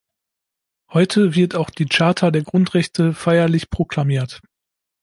Heute wird auch die Charta der Grundrechte feierlich proklamiert.